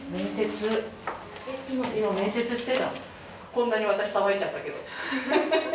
こんなに私騒いじゃったけど。